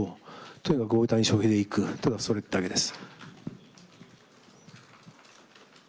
とにかく大谷翔平で行くただそれだけです。